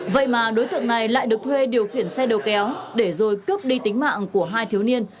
vậy mà đối tượng này lại được thuê điều khiển xe đầu kéo để rồi cướp đi tính mạng của hai thiếu niên